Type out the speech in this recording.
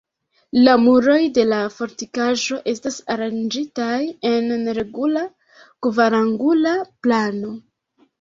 La muroj de la fortikaĵo estas aranĝitaj en neregula kvarangula plano.